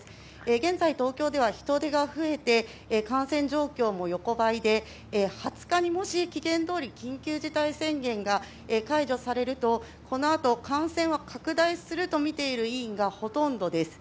現在、東京では人出が増えて感染状況も横ばいで２０日に、もし期限どおり緊急事態宣言が解除されると、このあと感染が拡大するとみている委員がほとんどです。